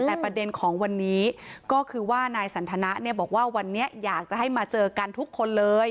แต่ประเด็นของวันนี้ก็คือว่านายสันทนะเนี่ยบอกว่าวันนี้อยากจะให้มาเจอกันทุกคนเลย